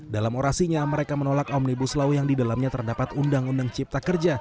dalam orasinya mereka menolak omnibus law yang didalamnya terdapat undang undang cipta kerja